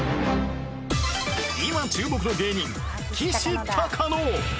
今注目の芸人きしたかの